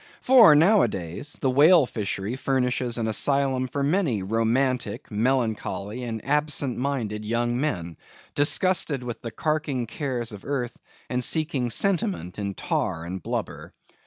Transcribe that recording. For nowadays, the whale fishery furnishes an asylum for many romantic, melancholy, and absent minded young men, disgusted with the carking cares of earth, and seeking sentiment in tar and blubber.